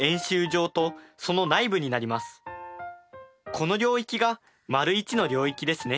この領域が①の領域ですね。